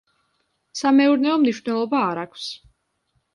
სამეურნეო მნიშვნელობა არ აქვს.